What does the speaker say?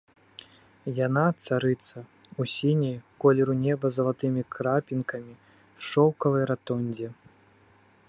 Яна, царыца, у сіняй, колеру неба з залатымі крапінкамі, шоўкавай ратондзе.